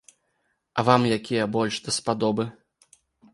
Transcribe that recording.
А вам якія больш даспадобы?